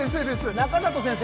中里先生